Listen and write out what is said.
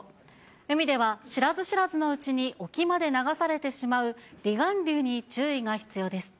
海では知らず知らずのうちに沖まで流されてしまう、離岸流に注意が必要です。